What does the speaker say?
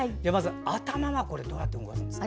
頭はどうやって動かすんですか。